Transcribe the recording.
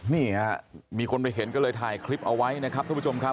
นี่ฮะมีคนไปเห็นก็เลยถ่ายคลิปเอาไว้นะครับทุกผู้ชมครับ